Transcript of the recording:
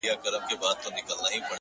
پوهه له تجربې ژورېږي،